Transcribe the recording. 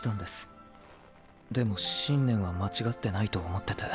でも信念は間違ってないと思ってて。